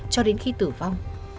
cho đến khi tử vong